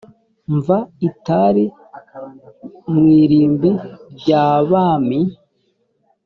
mva itari mu irimbi ry abami